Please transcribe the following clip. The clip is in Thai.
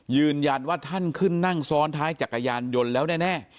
ยืนยันว่าท่านขึ้นนั่งซ้อนท้ายจักรยานยนต์แล้วแน่